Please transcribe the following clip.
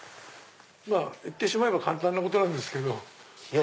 言ってしまえば簡単なことなんですけど。